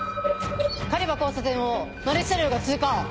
狩場交差点をマルヒ車両が通過。